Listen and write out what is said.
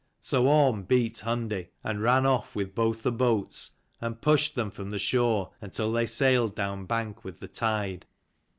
So Orrn beat Hundi, and ran off with both the boats and pushed them from the shore until they sailed down bank with the tide.